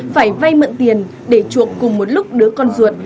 phải vay mượn tiền để chuộng cùng một lúc đứa con ruột